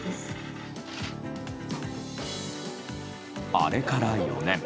あれから４年。